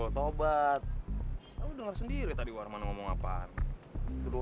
saksikan series ipa dan ips di gtv